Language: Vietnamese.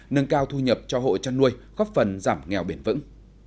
nâng cao thu nhập cho hộ chăn nuôi góp phần giảm nghèo bền vững